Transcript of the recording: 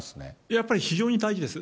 やっぱり非常に大事です。